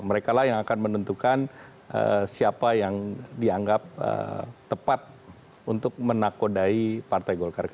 mereka lah yang akan menentukan siapa yang dianggap tepat untuk menakodai partai golkar